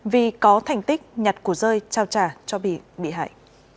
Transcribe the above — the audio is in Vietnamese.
vì có thành tích nhặt của rơi trao trả cho bị hại